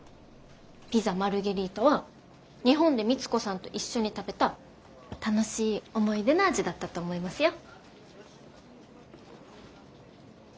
ピザ・マルゲリータは日本で光子さんと一緒に食べた楽しい思い出の味だったと思いますよ。